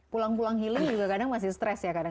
pulang pulang healing juga kadang masih stres ya kadang